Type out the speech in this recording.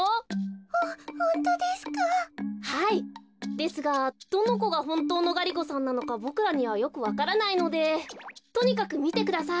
ですがどのこがほんとうのガリ子さんなのかボクらにはよくわからないのでとにかくみてください。